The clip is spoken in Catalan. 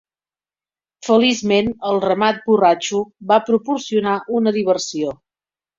Feliçment, el ramat borratxo va proporcionar una diversió.